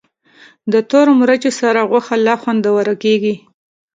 د تورو مرچو سره غوښه لا خوندوره کېږي.